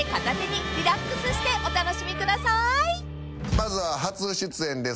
まずは初出演です。